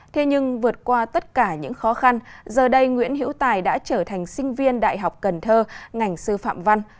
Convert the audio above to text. thế nhưng vượt qua tất cả những khó khăn giờ đây nguyễn hiễu tài đã trở thành sinh viên đại học cần thơ ngành sư phạm văn